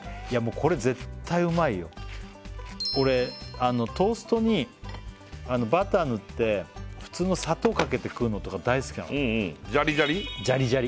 これ絶対うまいよ俺トーストにバター塗って普通の砂糖かけて食うのとか大好きなのジャリジャリ？